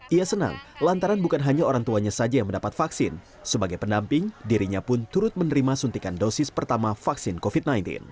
ia senang lantaran bukan hanya orang tuanya saja yang mendapat vaksin sebagai pendamping dirinya pun turut menerima suntikan dosis pertama vaksin covid sembilan belas